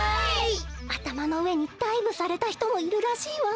あたまのうえにダイブされたひともいるらしいわ。